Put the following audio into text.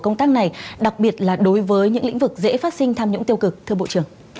công tác này đặc biệt là đối với những lĩnh vực dễ phát sinh tham nhũng tiêu cực thưa bộ trưởng